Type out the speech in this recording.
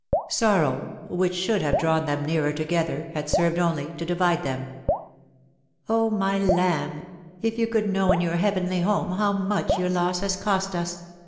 Sorrow, which should have drawn them nearer together, had Berved only to divide them. " O, my lamb, if you could know in your heavenly home how much your loss has cost us